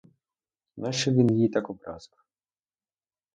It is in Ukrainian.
Нащо він її так образив?